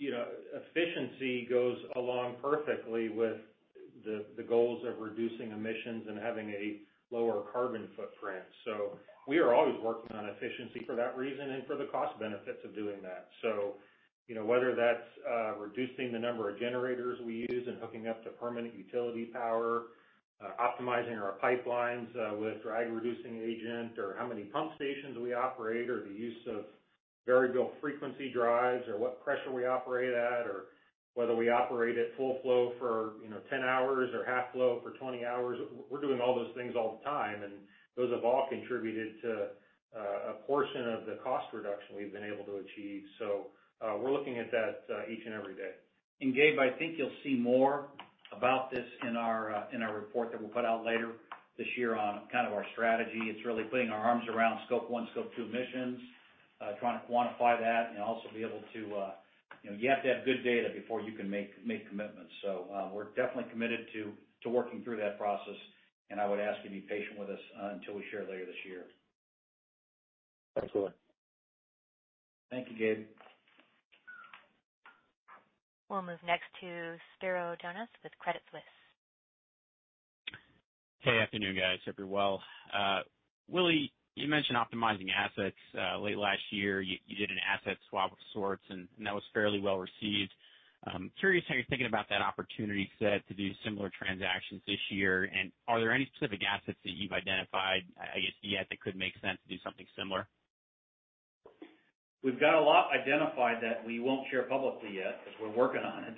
efficiency goes along perfectly with the goals of reducing emissions and having a lower carbon footprint. We are always working on efficiency for that reason and for the cost benefits of doing that. Whether that's reducing the number of generators we use and hooking up to permanent utility power, optimizing our pipelines with drag-reducing agent, or how many pump stations we operate, or the use of variable frequency drives, or what pressure we operate at, or whether we operate at full flow for 10 hours or half flow for 20 hours. We're doing all those things all the time, and those have all contributed to a portion of the cost reduction we've been able to achieve. We're looking at that each and every day. Gabe, I think you'll see more about this in our report that we'll put out later this year on kind of our strategy. It's really putting our arms around Scope 1, Scope 2 emissions, trying to quantify that and also you have to have good data before you can make commitments. We're definitely committed to working through that process, and I would ask you to be patient with us until we share later this year. Excellent. Thank you, Gabe. We'll move next to Spiro Dounis with Credit Suisse. Hey. Afternoon, guys. Hope you're well. Willie, you mentioned optimizing assets. Late last year, you did an asset swap of sorts, and that was fairly well-received. I'm curious how you're thinking about that opportunity set to do similar transactions this year, and are there any specific assets that you've identified, I guess yet, that could make sense to do something similar? We've got a lot identified that we won't share publicly yet, because we're working on it.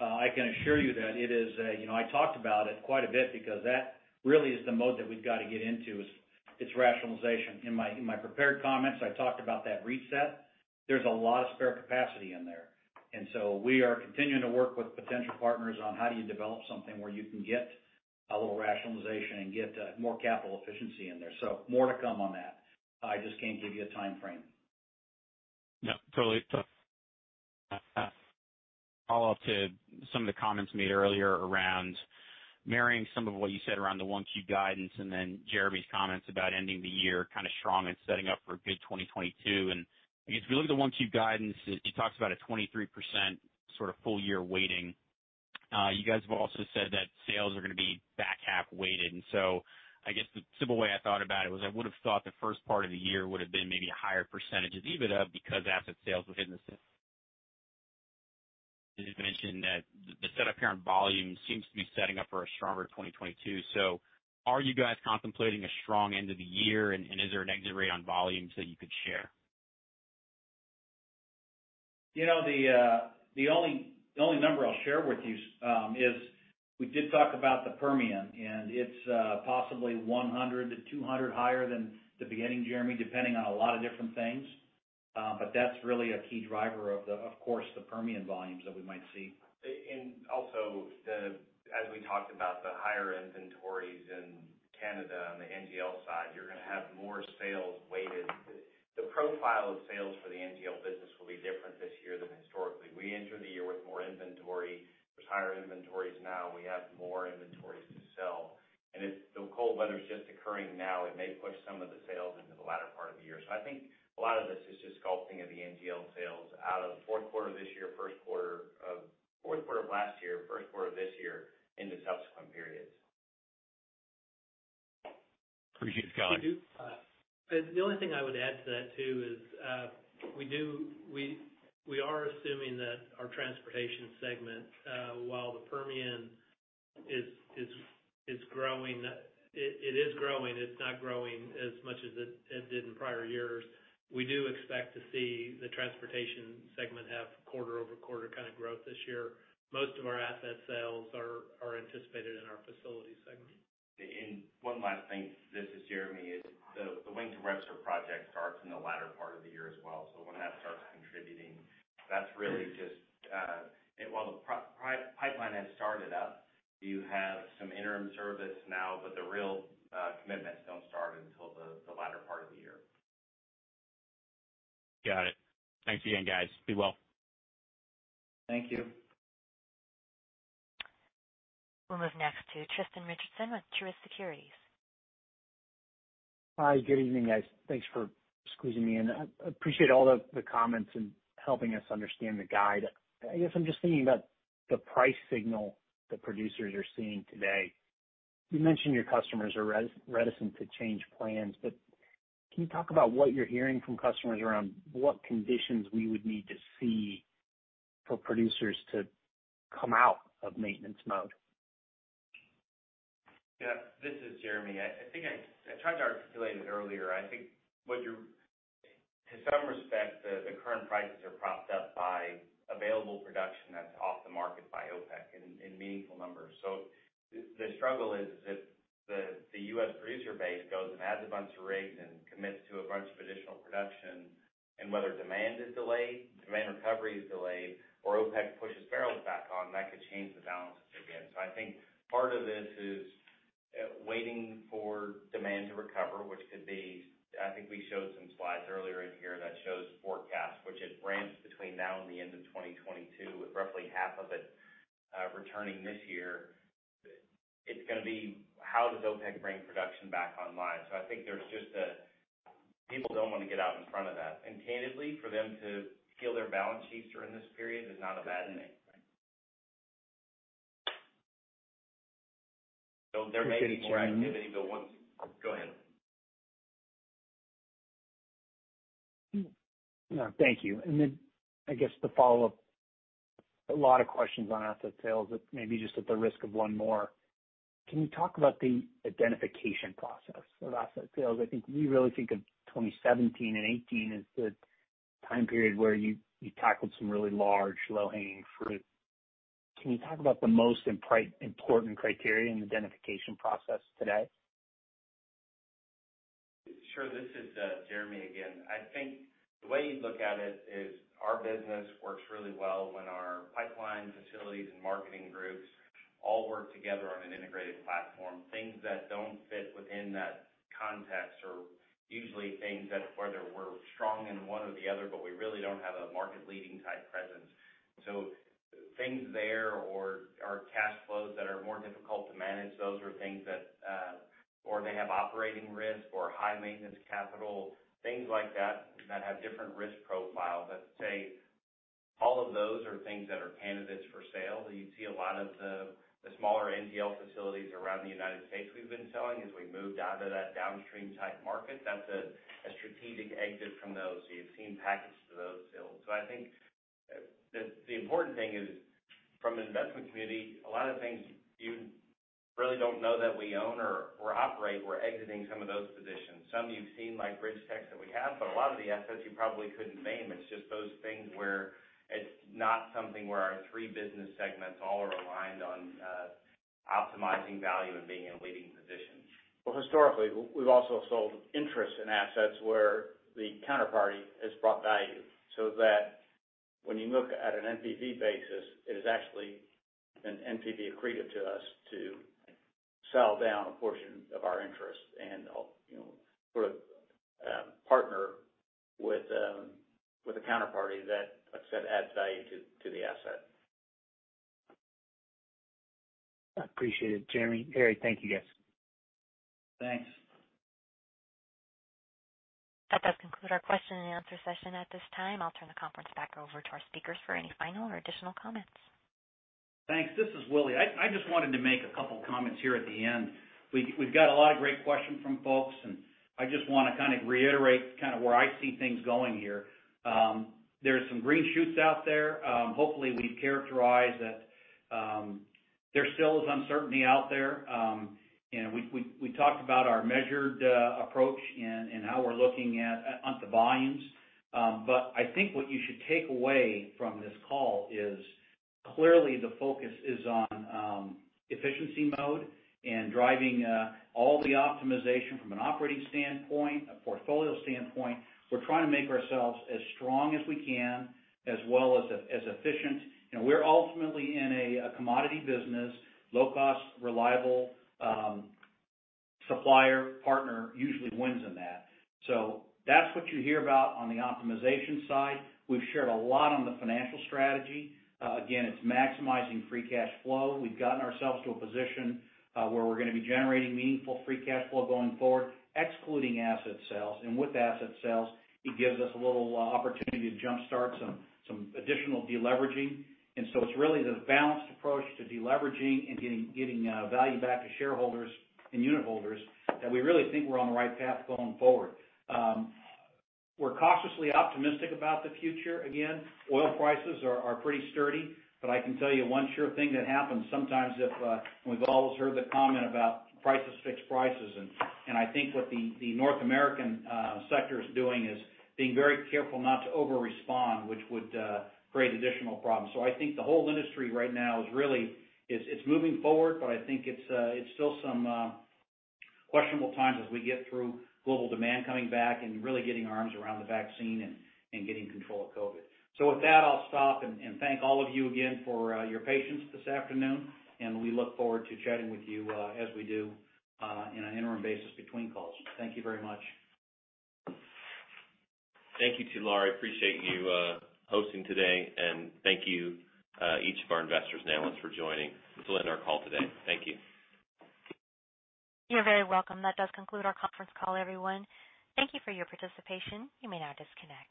I can assure you that I talked about it quite a bit because that really is the mode that we've got to get into, is its rationalization. In my prepared comments, I talked about that reset. There's a lot of spare capacity in there. We are continuing to work with potential partners on how do you develop something where you can get a little rationalization and get more capital efficiency in there. More to come on that. I just can't give you a timeframe. Totally. Follow-up to some of the comments made earlier around marrying some of what you said around the 1Q guidance and then Jeremy's comments about ending the year kind of strong and setting up for a good 2022. I guess if you look at the 1Q guidance, it talks about a 23% sort of full-year weighting. You guys have also said that sales are going to be back half weighted. I guess the simple way I thought about it was I would have thought the first part of the year would have been maybe a higher percentage of EBITDA because asset sales were hidden. As you mentioned that the setup here on volume seems to be setting up for a stronger 2022. Are you guys contemplating a strong end of the year, and is there an exit rate on volumes that you could share? The only number I'll share with you is we did talk about the Permian. It's possibly 100 to 200 higher than the beginning, Jeremy, depending on a lot of different things. That's really a key driver, of course, the Permian volumes that we might see. Also as we talked about the higher inventories in Canada on the NGL side, you're going to have more sales weighted. The profile of sales for the NGL business will be different this year than historically. We enter the year with more inventory. There's higher inventories now. We have more inventories to sell. The cold weather's just occurring now. It may push some of the sales into the latter part of the year. I think a lot of this is just sculpting of the NGL sales out of fourth quarter of last year, first quarter of this year into subsequent periods. Appreciate it, guys. Thank you. The only thing I would add to that, too, is we are assuming that our Transportation Segment, while the Permian is growing, it is growing, it is not growing as much as it did in prior years. We do expect to see the Transportation Segment have quarter-over-quarter kind of growth this year. Most of our asset sales are anticipated in our Facility Segment. One last thing, this is Jeremy, is the Wink to Webster project starts in the latter part of the year as well. When that starts contributing, while the pipeline has started up, you have some interim service now, but the real commitments don't start until the latter part of the year. Got it. Thanks again, guys. Be well. Thank you. We'll move next to Tristan Richardson with Truist Securities. Hi, good evening, guys. Thanks for squeezing me in. I appreciate all the comments and helping us understand the guide. I guess I'm just thinking about the price signal that producers are seeing today. You mentioned your customers are reticent to change plans, can you talk about what you're hearing from customers around what conditions we would need to see for producers to come out of maintenance mode? Yeah. This is Jeremy. I think I tried to articulate it earlier. I think to some respect, the current prices are propped up by available production that's off the market by OPEC in meaningful numbers. The struggle is if the U.S. producer base goes and adds a bunch of rigs and commits to a bunch of additional production, and whether demand is delayed, demand recovery is delayed, or OPEC pushes barrels back on, that could change the balance again. I think part of this is waiting for demand to recover, which could be I think we showed some slides earlier in here that shows forecasts, which it ramps between now and the end of 2022, with roughly half of it returning this year. It's going to be, how does OPEC bring production back online? I think people don't want to get out in front of that. Candidly, for them to heal their balance sheets during this period is not a bad thing. There may be more activity. Go ahead. No, thank you. I guess the follow-up, a lot of questions on asset sales, maybe just at the risk of one more. Can you talk about the identification process of asset sales? I think we really think of 2017 and 2018 as the time period where you tackled some really large low-hanging fruit. Can you talk about the most important criteria in the identification process today? Sure. This is Jeremy again. I think the way you look at it is our business works really well when our pipeline facilities and marketing groups all work together on an integrated platform. Things that don't fit within that context are usually things that whether we're strong in one or the other, but we really don't have a market-leading type presence. Things there, or our cash flows that are more difficult to manage, or they have operating risk or high-maintenance capital, things like that have different risk profiles. Let's say all of those are things that are candidates for sale. You see a lot of the smaller NGL facilities around the U.S. we've been selling as we moved out of that downstream-type market. That's a strategic exit from those. You've seen packets to those sales. I think the important thing is from an investment community, a lot of the things you really don't know that we own or operate, we're exiting some of those positions. Some you've seen, like BridgeTex, that we have. A lot of the assets you probably couldn't name. It's just those things where it's not something where our three business segments all are aligned on optimizing value and being in a leading position. Well, historically, we've also sold interest in assets where the counterparty has brought value, so that when you look at an NPV basis, it is actually an NPV accretive to us to sell down a portion of our interest and partner with a counterparty that, like I said, adds value to the asset. I appreciate it, Jeremy, Harry. Thank you, guys. Thanks. That does conclude our question and answer session. At this time, I'll turn the conference back over to our speakers for any final or additional comments. Thanks. This is Willie. I just wanted to make a couple comments here at the end. We've got a lot of great questions from folks, and I just want to kind of reiterate where I see things going here. There are some green shoots out there. Hopefully, we characterize that there still is uncertainty out there. We talked about our measured approach and how we're looking at the volumes. I think what you should take away from this call is clearly the focus is on efficiency mode and driving all the optimization from an operating standpoint, a portfolio standpoint. We're trying to make ourselves as strong as we can, as well as efficient. We're ultimately in a commodity business. Low-cost, reliable supplier partner usually wins in that. That's what you hear about on the optimization side. We've shared a lot on the financial strategy. It's maximizing free cash flow. We've gotten ourselves to a position where we're going to be generating meaningful free cash flow going forward, excluding asset sales. With asset sales, it gives us a little opportunity to jumpstart some additional de-leveraging. It's really the balanced approach to de-leveraging and getting value back to shareholders and unit holders that we really think we're on the right path going forward. We're cautiously optimistic about the future. Oil prices are pretty sturdy. I can tell you one sure thing that happens sometimes. We've always heard the comment about prices fix prices. I think what the North American sector is doing is being very careful not to over-respond, which would create additional problems. I think the whole industry right now is moving forward, but I think it's still some questionable times as we get through global demand coming back, and really getting our arms around the vaccine and getting control of COVID. With that, I'll stop and thank all of you again for your patience this afternoon, and we look forward to chatting with you as we do on an interim basis between calls. Thank you very much. Thank you to you all. I appreciate you hosting today, thank you, each of our investors and analysts for joining to our call today. Thank you. You're very welcome. That does conclude our conference call, everyone. Thank you for your participation. You may now disconnect.